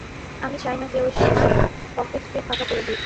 আমি চাই না কেউ এসে আমার পকেটকে ফাঁকা করে দিক।